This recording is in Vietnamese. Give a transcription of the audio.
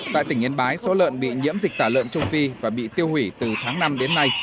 tại tỉnh yên bái số lợn bị nhiễm dịch tả lợn châu phi và bị tiêu hủy từ tháng năm đến nay